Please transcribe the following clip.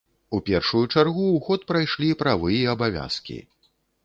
У першую чаргу ў ход прайшлі правы і абавязкі.